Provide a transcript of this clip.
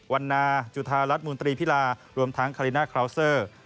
วันนาจุธารัฐมนตรีพิลารวมทั้งคาริน่าคราวเซอร์